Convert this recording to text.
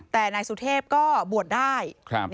แต่นายสุเทพก็บวชได้